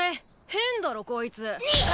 変だろこいつ。